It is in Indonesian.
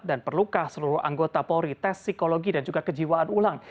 dan perlukah seluruh anggota polri tes psikologi dan juga kejiwaan ulang